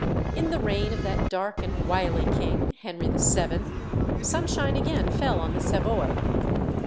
In the reign of that dark and wily king, Henry VII., sunshine again fell on the Savoy.